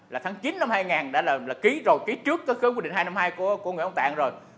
là tháng chín năm hai nghìn đã làm là ký rồi ký trước có quy định hai trăm năm mươi hai của người ông tạng rồi